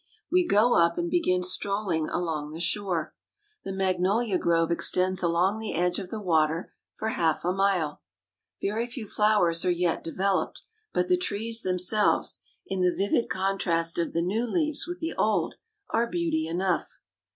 We go up, and begin strolling along the shore. The magnolia grove extends along the edge of the water for half a mile. Very few flowers are yet developed; but the trees themselves, in the vivid contrast of the new leaves with the old, are beauty enough.